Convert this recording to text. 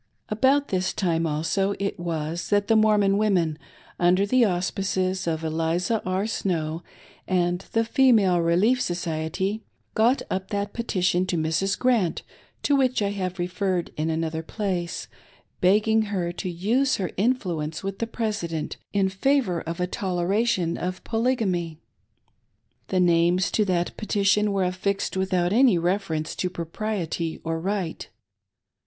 About this time, also, it was that the Mormon women, under the auspices of Eliza R. Snow and the Female Relief Society, got up that petition to Mrs. Grant, to which I have referred in another place, begging her to use her influence with the President in favor of a toleration of Polygamy. The names to that petition were affixed without any reference to propriety or right.